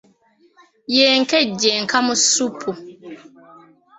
Ye nkejje enka mu ssupu.